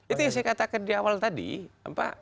itu yang saya katakan di awal tadi